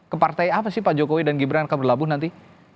ke partai apa sih pak jokowi dan gibran akan berlabuh nanti